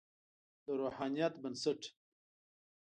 د روحانیت بنسټ.